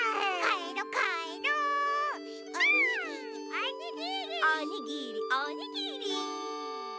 おにぎりおにぎり！